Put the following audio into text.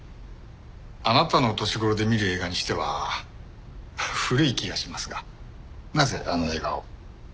あなたの年頃で見る映画にしては古い気がしますがなぜあの映画を？